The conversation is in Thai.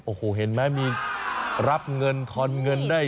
โอ้โหเห็นไหมมีรับเงินทอนเงินได้